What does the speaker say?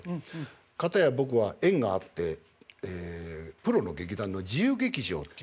片や僕は縁があってプロの劇団の自由劇場っていう。